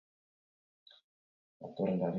Finala hurbil ikusten dute eta ez dute huts egin nahi.